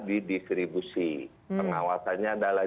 di distribusi pengawasannya adalah